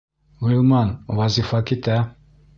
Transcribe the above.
Ғилман, Вазифа китә.